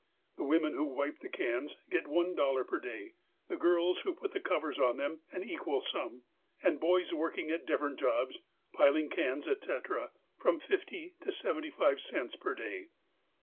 The women who wipe the cans get one dollar per day, the girls, who put the covers on them, an equal sum, and boys working at different jobs, piling cans, etc., from fifty to seventy five cents per day.